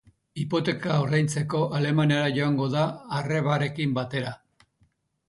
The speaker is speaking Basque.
Hipoteka ordaintzeko, Alemaniara joango da arrebarekin batera.